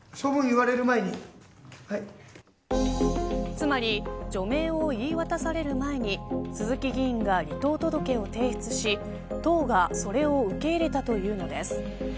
つまり除名を言い渡される前に鈴木議員が離党届を提出し党がそれを受け入れたというのです。